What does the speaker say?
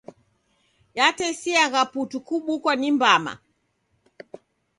Yatesiagha putu kubukwa ni mbama.